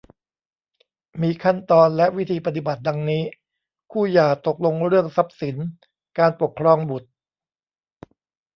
มีขั้นตอนและวิธีปฏิบัติ ดังนี้ คู่หย่าตกลงเรื่องทรัพย์สิน การปกครองบุตร